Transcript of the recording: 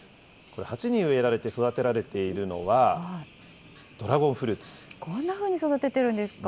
これ、鉢に植えられて育てられているのは、こんなふうに育ててるんです